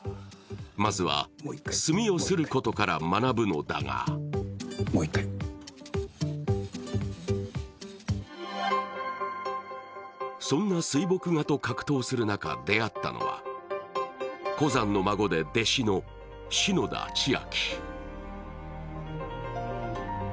まずは墨をすることから学ぶのだがそんな水墨画と格闘する中、出会ったのは湖山の孫で弟子の篠田千瑛。